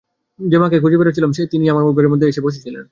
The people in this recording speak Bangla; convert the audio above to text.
যে মাকে খুঁজে বেড়াচ্ছিলুম তিনিই আমার ঘরের মধ্যে এসে বসে ছিলেন।